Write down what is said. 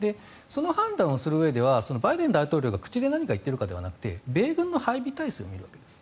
その判断をするうえではバイデン大統領が口で何かを言っているかじゃなくて米軍の配備態勢を見るわけです。